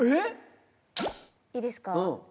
いいですか？